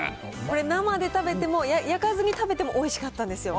生で食べても、焼かずに食べてもおいしかったんですよ。